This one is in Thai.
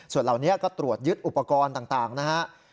ส่วนเหล่านี้ก็ตรวจยึดอุปกรณ์ต่างนะฮะ